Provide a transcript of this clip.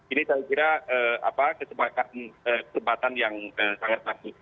ini saya kira kesempatan yang sangat bagus